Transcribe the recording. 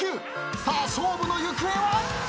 さあ勝負の行方は？